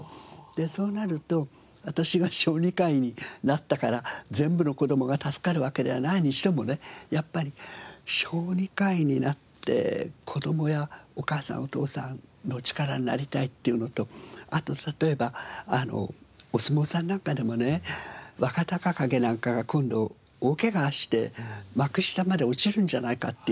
そうなると私が小児科医になったから全部の子供が助かるわけではないにしてもねやっぱり小児科医になって子供やお母さんお父さんの力になりたいっていうのとあと例えばお相撲さんなんかでもね若隆景なんかが今度大怪我して幕下まで落ちるんじゃないかっていわれてる。